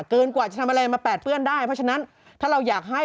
เกินกว่าจะทำอะไรมาแปดเปื้อนได้เพราะฉะนั้นถ้าเราอยากให้